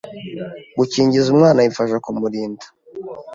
Gukingiza umwana bifasha kumurinda